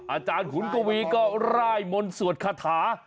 อาจารย์ขุนกะวิก็ไล่มนสวดขทา